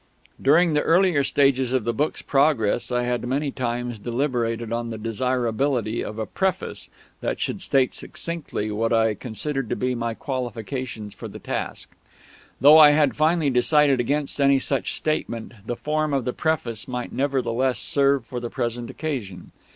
During the earlier stages of the book's progress I had many times deliberated on the desirability of a Preface that should state succinctly what I considered to be my qualifications for the task. Though I had finally decided against any such statement, the form of the Preface might nevertheless serve for the present occasion.